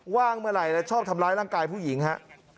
ว่างเมื่อไหร่แล้วชอบทำร้ายร่างกายผู้หญิงฮะ